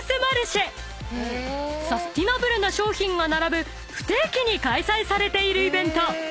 ［サスティナブルな商品が並ぶ不定期に開催されているイベント］